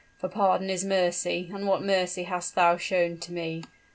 For pardon is mercy, and what mercy hast thou shown to me?